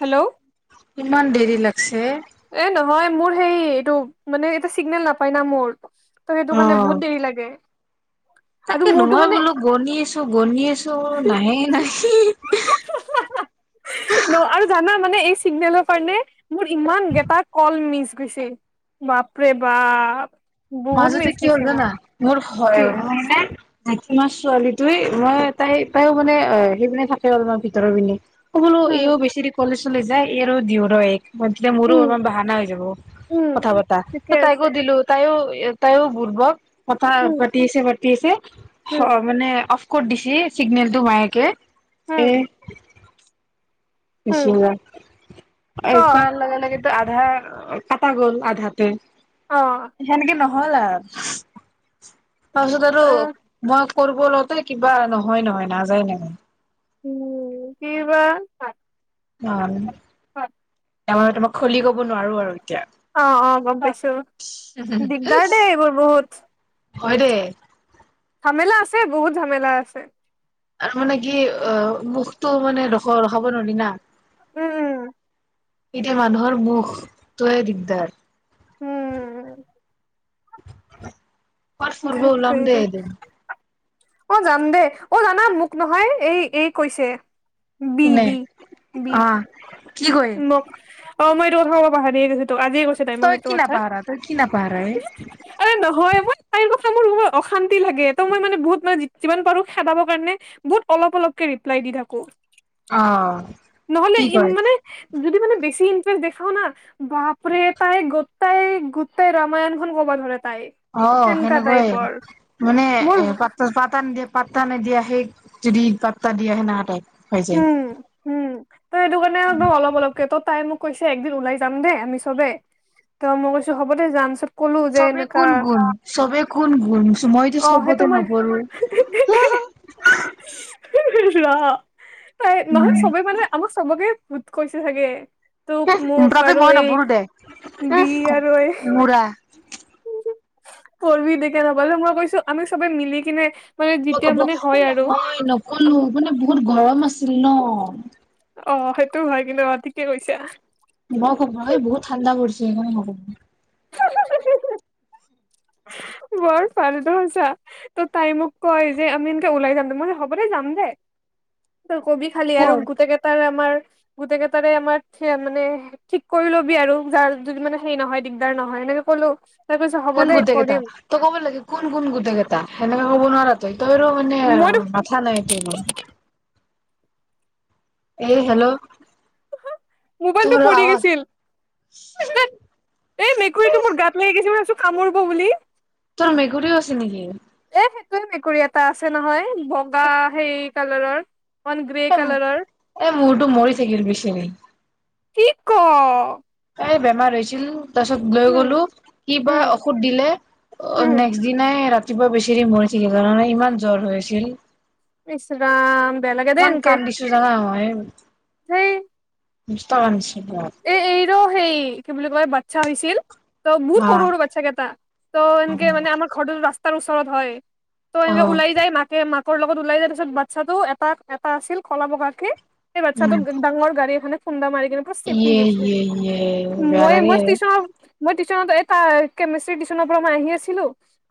Hello কিমান দেৰি লাগছে? হয় মোৰ সেই এইটো মানে এটা চিগনেল নাপায় না মোৰ। ত সেইটো কাৰণে বহুত দেৰি লাগে। আৰু তাকেতো মোৰতো মই মানে বোলো বনিছো। মই বনিয়ে। চ নাহেই নাহে। ন আৰু জানা মানে এই চিগনেলৰ কাৰণে মোৰ ইমান গেটা কল মিচ গৈছে বাপৰে বাপ। বহুত মাজতে মিচ কি হল গৈছে মোৰ জানা মোৰ হয় কি মানে। তোমাৰ ছোৱালীটোৱে মই তাই তায়ো মানে সেই পিনে থাকে আৰু তোমাৰ অলপ ভিতৰৰ পিনে। লো এইও উম বেছেৰী কলেজ। চলে যায় এইৰো দিউ ৰ এইক। মোৰো উম অলমান বাহানা হৈ যাব উম কথা পতা ঠিকে আছে তাইকো দিলো তাইও। এটাইও বুৰ্বক। কথা উম পাতি আছে? কি হৈছে হ উম মানে অ। ক'ত দিছে চিগনেল টো মায়েকে। হম চিত্ৰায়ন ক এলক লাগে। আধা কটা গ'ল আধাতে অ সেনেকে নহয় হল তাৰপিছত আৰু আৰু মই কৰিব লওতে কিবা নহয় নহয় নাযায় নহয় উম কিবা অ হয় তামেনে তোমাক খুলি ক'ব নোৱাৰো আৰু এতিয়া অ অ গম পাইছো দিগদাৰ দেই এইবোৰ বহুত হয় দে ঝমেলা আছে বহুত ঝমেলা আছে। আৰু মানে কি অ মুখতটো মানে ৰখ ৰখাব নোৱাৰি না উম উম। এতিয়া মানুহৰ মুখ তোয়ে দিগদাৰ। উম। [unintelligible] কৰবাত ফুৰব ধেত ওলাম তেৰি দে এদিন। অ যাম দে অ জানা মোক নহয় এই এই কৈছে। বি নে বি বি অ কি কয় মোক অ মই যও বাহে কেইজনী তোক আজিয় কৈছে তাই মোক তই সেইটো কি কথা নাপাহৰা তই কি নাপাহৰা এ অ নহয় মই মোৰ মত অশান্তি লাগে ত মই মে বহুত ম যিমান পাৰো খেদাব কাৰণে বহুত অলপ অলপকে ৰিপ্লাই দি থাকো অ নহলে কি ই কয় মানে যদি মানে বেছি ইন্টাৰেষ্ট দেখাও না বাপৰে তাই গোটাই গোটাই ৰামায়ন খন ক'ব ধৰে তাই অ সেনকা সেনেকুৱাইে টাইপৰ মানে মোৰ এ পাত পাত অ নিদিয়ে পাতা নিদিয়াহে যদি পাত্তা দিয় আহে না তাই উম উম ত সেইটো কাৰণে একদম অলপ অলপকে ত তাই মোক কৈছে একদিন ওলাই যাম দে আমি চবে ত মই কৈছো হ'ব দে যাম চব চবে কোন গুণ চবে কোন গুণ মইতো অ', সেইটো চবতে মই নপঢ়ো ল হ। তাই নহয় চবে মানে আমাক চবকে উৎকচ ছাগে মই নবুৰো দে বি আৰু এই মৰা। মই কৈছো আমি চবে মিলি কিনে মানে মই যেতিয়া কব মানে হয় আৰু নহয় নকলো আম- মানে বহুত গৰম আছিল ন অ সেইটোও হয় কিন্তু অ ঠিকে কৈছা মই খবৰ বহুত ঠাণ্ডা পছে কিমান বৰ ফালটো হৈছা তাই মোক কয় যে আমি এনকে ওলাই যাম দে মই হব দে যাম দে কবি খালি আৰু কৰ গোটেই কেইটাৰ আমাৰ গোটেই কেইটাৰে আমাৰ মানে ঠিক কৰি লবি আৰু যাৰ যদি মানে হেৰি নহয় দিগদাৰ নহয় এনেকে কলো তাই কৈছে হ'ব কোন দেই গোটেই কেইটা ত ক'ব লাগে কোন কোন গোটেই কেইটা সেনেকে ক'ব নোৱাৰা তোৰো মানে মইতো মাথা নাই তোৰ এ হেল্ল' মোবাইলটো তোৰ পৰি আৱাজ গৈছিল এ এই মেকুৰীটো মোৰ গাত লাগি গৈছিল কামুৰিব বুলি তোৰ মেকুৰীও আছে নেকি সেইটোে মেকুৰী এটা আছে নহয় বগা হেই কালাৰৰ গ্ৰে কালাৰৰ এ মোৰতো মৰি থাকিল বিছেৰি কি ক তাই বেমাৰ হৈছিল তাৰপিছত লৈ উম গ'লো কি বাা উম ঔষধ দিলে অ উম নেক্সট দিনাই ৰাতি ৰাতিপুৱা বেছেৰি মৰি থাকিল নহয় ইমান জ্বৰ হৈ আছিল ইচ্ ৰাম বেয়া ইমান কান্দিছো জানা মই হয় [inaudible] সেই ইস্তন এ এই ৰ সেই কি বুলি কয় বাচ্ছা হৈছিল বহুত অ সৰু সৰু বাচ্ছা কেইটা ত এনকে আমৰ ঘৰতো ৰাস্তাৰ তাৰ ওচৰত হয় ত অ এনেকে ওলাই যায় মাাকে ম তোৰ লগত ওলাই যায় পিছত বাচ্ছা টো এটা এটা আছিল কলা বগাকে এই উম বাচ্ছাটোম ডাৰ গাড়ী এখে খুন্দা মাৰি কিনে পশিম এয়ে এয়ে বেয়া লাগে টিউচনৰ মই এটা কেমিষ্ট্ৰি টিশ্যনৰ পৰা মই আহি আছিলো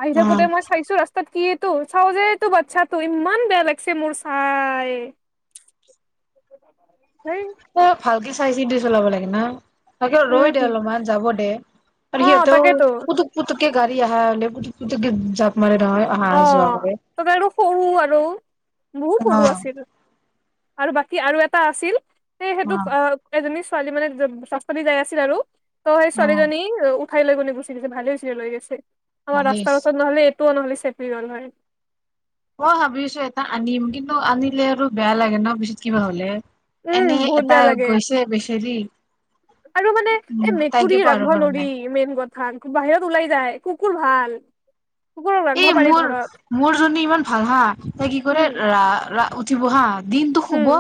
আহি উম থাকোতে মই চাইছো ৰাস্তাত কি ত চাও যে তোৰ বাচ্ছা তো ইমান বেয়া লাগিছে মোৰ চাই ত ভালকে চাই চি টি চলাব লাগে না তাকে ৰয় দে উম অলপমান যাব দে আৰু অ সিহঁতেও তাকেতো পুতুক পুুতুক কে গাড়ী আহা পুতুক পুতুকে যাওক অ টগাৰটো সৰু আৰু বহুত অ সৰু আছিল বাকী কি আৰু এটা আছিল সে অ সেইটোক আ এজনী ছ ছোৱালী মানে [unintelligible] যাই আছিল আৰু ত সেই অ ছোৱালী জনি অ ওট খাই লৈ গ কোনে গুচি গৈছে ভালে হৈছে লৈ গৈছে আমাৰ ভালেই ৰাস্তাৰ হৈছে। ওচৰত নহ'লে ত নহলে চে [unintelligible] হয় অ ভাবিছো এটা আনিম কিন্তু আনিলে আৰু বেয়া লাগে ন পিছত কিবা হলে এনেই উম বহুত এটা বেয়া লাগে গৈছে বেচেৰি আৰু মানে উম এই তাই কে মেকুৰী পাৰ ৰাখব পৰা নোৱাৰি নাই মেইন কথা বাহিৰত ওলাই যায় কুকুৰ ভাল কুকুৰক ৰাখিব এই পাৰি মোৰ ঘৰত মোৰ জনী ইমান ভাল হা তাই কি কৰে উম ৰা ৰা উত ঠিব হা দিনটো শুব উম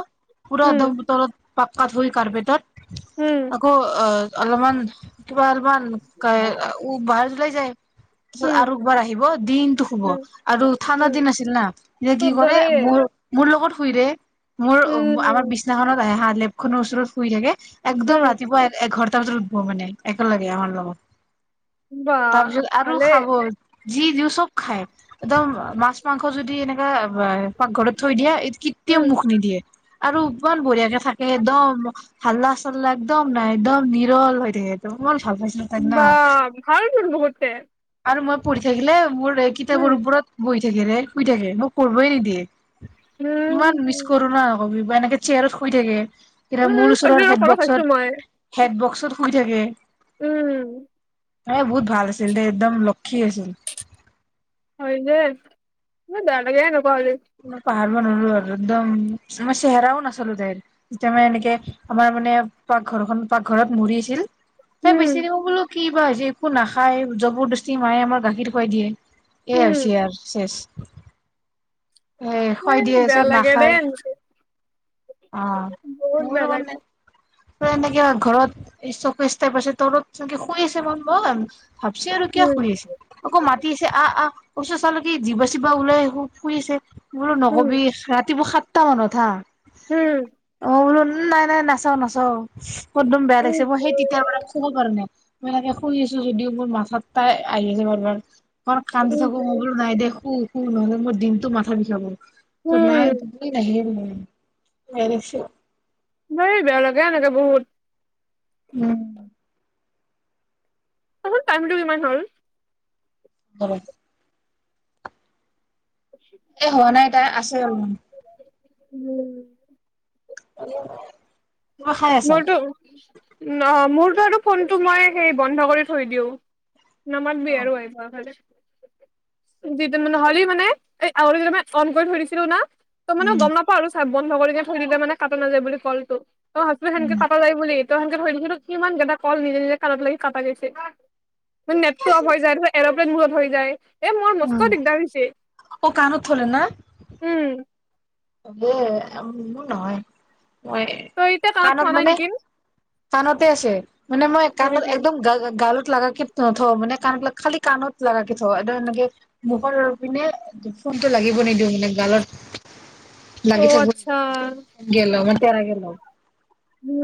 পুৰা উম একদম বতৰত পাক্কাত কাৰ্পেটত উম আকৌ অ অলপমান কেবাৰ মান উকায়ে ও বাৰ লৈ যায় তাৰছত উম আৰু একবাৰ আহিব দিনটো শুব উম আৰু ঠান্দা উম দিন আছিল না কি তোৰ কৰে দৰে মোৰ মোৰ লগত শুইৰে মোৰ উম আমাৰ বিচনাখনত আহে হাত লেপখনৰ ওচৰত শুই থাকে উম একদম ৰাতিপুৱা এঘৰ তাৰপিছতো [unintelligible] একে লগে আমাৰ লগত। বা তাৰপিছত আৰু ভালে খাব যি জুছ চব খাই একদম মাছ মাংস যদি এনেকা পাকঘৰত থৈ দিয়ে কেতিয়াও উম মুখ নিদিয়ে আৰু ইমান বঢ়িয়াকে থাকে একদম হাল্লা চাল্লা একদম নাই একদম নিৰল হৈ থাকে একদম বা ভাল তোৰ বৌহতে আৰু মই পঢ়ি থাকিলে মোৰ তেই কিতাপৰ উপৰত বহি থাকে ৰে শুই থাকে মোক পঢ়িব‌ই নিদিয়ে ইমান মিচ উম কৰো না হবি বা এনেকে চেয়াৰত শুই থাকে কেতিয়াবা উম মোৰ ওচৰৰ কাজিৰঙাৰ হেড ফটো চাইছো বক্সত মই হেড বক্স তত শুই থাকে উম এ বহুত ভাল আছিল দেই একদম লক্ষী আছিল হয় দেই নালাগে হেনে কোৱা হলে ধাৰ আৰু নল‌ওঁ আৰু একদমই জোৰচে এৰাও নাছিলো তাইৰ যেতিয়া মানে এনেকে আমাৰ মানে পাকঘৰখন পাকঘৰত মৰি আছিল এ উম বেছি দিব বোলো কি বা হৈছে একো নাখায় জবৰদস্তি মায়ে আমাৰ গাখীৰ খুৱাই দিয়ে এই উম হৈছে আৰু শেষ এ হয় এই দি বেয়া এইচব লাগে দেই নাখায় এনেকে অ বহুত মোৰ বেয়া লগত লাগে নে এনেকে ঘৰত স্তপেজ তাইপ আছে তলত ছাগে শুই আছে ম‌ই মন ভাবছি আৰু কিয় উম শুই আছে আকৌ মাতি আছে আহ আহ ওচৰ চালো কি জিভা চিভা ওলাই আহো শুই আছে বোলো নক'বি ৰাতিপুৱা সাত তা মানত হা হম মই বোলো নাই নাই নাচাওঁ নাচাওঁ অহ্ একদম বেয়া উম লাগিছে মই সেই তেতিয়া পৰা শুব পাৰা নাই মই এনেকে শুই আছো যদিও মোৰ মাথাত তাই আহি আছে বাৰ বাৰ। কল কান্দি উম থাকো মই বোলো নাই দেখোঁ। নহ'লে মই দিনটো মাথা বিষাব ত নাই ত উম ন ম ম নিশ ন বেয়া লগে এনেকে বহুত উম অ টাইমটো কিমান হল হয় [unintelligible] এ হোৱা নাই তাই আছে অলপমান। উম অ ম তো অ মোৰ ফোনটো মই সেই বন্ধ কৰি থৈ দিওঁ। নামাতিবি আৰু আহিব খালে যিদিন নহ'লে মানে এই আগ দু মানে অন কৰি থৈ দিছিলো না তো মানে উম গম নাপাওঁ আৰু। বন্ধ কৰি কিনে থৈ দিলে মানে কাটো নাযায় বুলি কলটো অ হেকে কাপ যাই বুলি কে ধৰি কিন্তু সমানকেইটা কল নিজে নিজে কত লাগি কাটা গৈছে নেট টো অফ হৈ যায় ত এৰপ্লেইন মূত হৈ যায় এ মই নষ্ট উম দিগদাৰ হৈছে অ কাণত উম। ম নহয় মই তই এতিয়া কানত থালা নেকি কানতে আছে মানে মই হয় কানত নেকি একদম গ গত ল কে নথওঁ মানে কাণবিলাক খালি কাণত লাগ কে থওঁ এ এনেকে মুখৰ পিনে ফোনটো লাগিব নিদিওঁ মানে গালত অ লাগি থাক গ আচ্ছা মানে তেৰা কে ল উম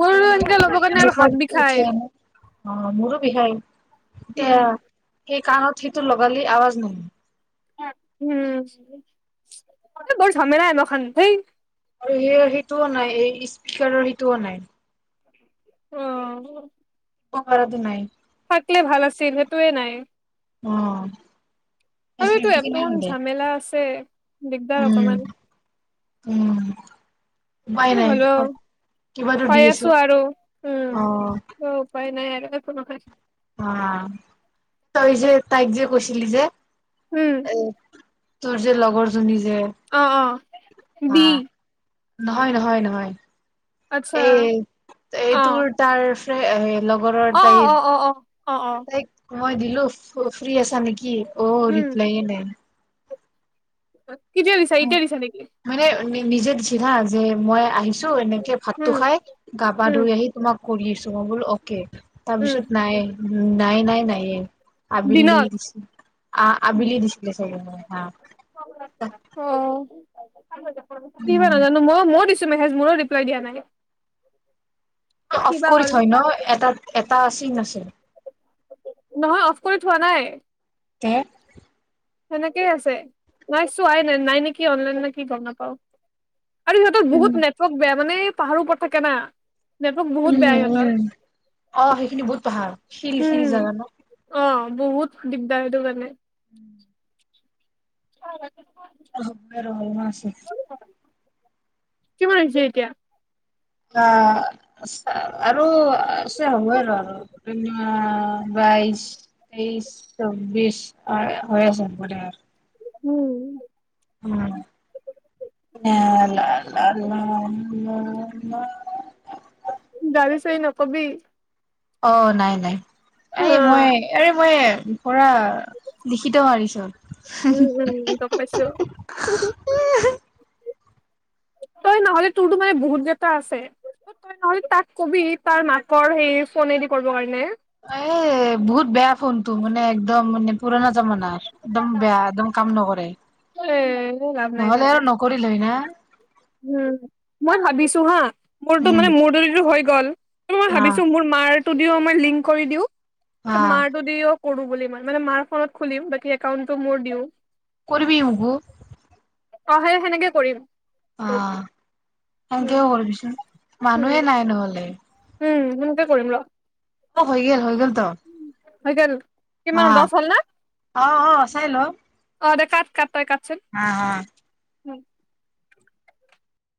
মোৰো মানে এনেকয়া কি ল'বৰ কাৰণে আৰু মুখত হাত বিষাই উঠে অ মোৰো বিষাই এ উম এই কানত হত লগালে আৱজ ন উ বৰ জেমেলা আ ম খানথ আৰু সেই সেইটোও নাই এই স্পকাৰৰ সেইটোও নাই অ ঘৰ তে নাই থাকে ভাল আছিল সেইটোয়ে নাই উম আৰু এইটো এটমান ঝামেলা আছে দিগদাৰ উম অকমান উম উপায় কি নাই হ'লে ও কিবাতো দি পাই আছে আছো আৰু উম অ' উম উপায় নাই আৰু নহ অ তই যে তাইক যে কৈছিলি যে উম এ তোৰ যে লগৰজনী যে অ অ হা বি নহয় নহয় নহয় আচ্ছা এ এই অ তোৰ তাৰ এই লগ গৰৰ অ তাই অ অ অ অ অ অ তাইক মই দিলোঁ ফ্ৰি আছা নেকি অ ৰিপ্লাই নাই অ কি আনিছা ইতিয়া নিছা নেকি তুমি নিজে দিছিলা যে মই আহিছো ছো এনেকে ভাতটো উম খাই গা পা উম ধুই আহি তোমাক কৰি আছো বল অকে তা উম পিছত নাই উম। নাই নাই নায়ে। আবেলি দিনত আ আবেলি দিছিলে হ অ কিবা নাজানো মই মইও দিছি মেচেজ মোৰো ৰিপ্লাই দিয়া নাই। অফ কিবা কৰি হ'ল থয় ন এটাত এটা আছিল নাছিল নহয় অফ কৰি থোৱা নাই তে সেনেকেই আছে নাই চোৱাই নাই নাই নেকি অনলাইন নেকি গম নাপাওঁ। আৰু সিহঁত বহুত নেটৱৰ্ক বেয়া মানে পাহাৰো প থাকে না নেটৱৰ্ক উম বহুত বেয়া সিহঁতৰ উম অ সেইখিনি বহুত ভাল শিল শিল উম জাগা ন অ বহুত দিগদাৰ সেইটো মানে হয়। অ বে ৰ হল ম আছে কিমান আহিছে এতিয়া অ আৰু হব আৰু আৰুন বাইশ তেইশ চৌবিশ হয় আছে হ'ব পাৰে আৰু উম। উম [unintelligible] তালি চেই নকবি অ নাই নাই অ এ মই আৰে মই পৰা লিখিত মাৰিছ৷ উম-উম গম পাইছো ৷ তই নহলে তোৰতো মানে বহুত কেটা আছে তই নহলে তাক কবি তাৰ মাকৰ সেই ফনেদি কৰিব কাৰণে ৷ এ বহুত বেয়া ফোনটো মানে একদম মানে পুৰণা জামানা ৷ একদম বেয়া একদম কাম নকৰ এ নহলে আৰু নকৰিলে হয় না? উ মই ভাবিছো হা মোৰতো উম মানে মোৰ দৰিতো হয় কল ত মই অ ভাবিছো মোৰ মাৰ ষ্টুডিঅ' মই লিংক কৰি দিওঁ অ ত মাৰটো দিওক কৰো বুলি মই মানে মাৰ ফনত খুলিম বাকী একাওণ্টতো মোৰ দিও৷ কৰিববি উ গ অ সে সেনেকে কৰিম ৷ অ সনেকেও কৰিবিচোন উম মানুহে নাই নহ'লে৷ উম হেনেকে কৰিম ৰ ৷ অ হৈ গেল হৈ গ'ল ৷ ত হয় গ'ল কিমান অ দছ হল না? অ অ চাই ল৷ অ দে কাট কাট ৷ অহ অহ উম